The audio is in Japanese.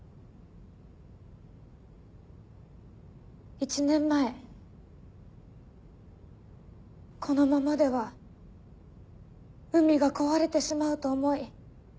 １年前このままでは海が壊れてしまうと思い